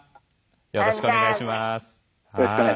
よろしくお願いします。